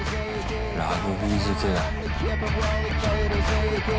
ラグビーづけだ。